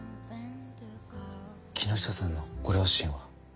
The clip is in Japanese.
木下さんのご両親は。